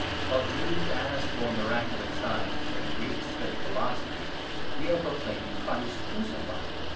While Jews ask for miraculous 22 signs, and Greeks study philosophy, we are proclaiming 23 Christ crucified